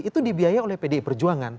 itu dibiaya oleh pdi perjuangan